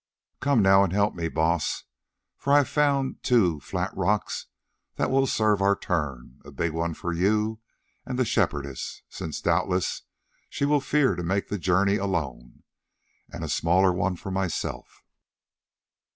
Come now and help me, Baas, for I have found two flat rocks that will serve our turn, a big one for you and the Shepherdess, since doubtless she will fear to make this journey alone, and a smaller one for myself."